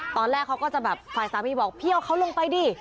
ตอนแรกเขาก็จะแบบฝ่ายสามีบอกพี่เอาเขาลงไปดิ